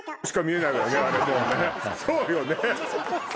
そうよね。